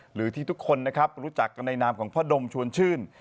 หรือที่ทุกคนนะครับรู้จักกันในนามของพ่อดมชวนชื่น